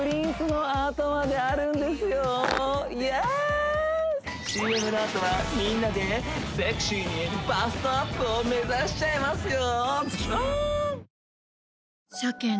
ＣＭのあとはみんなでセクシーにバストアップを目指しちゃいますよ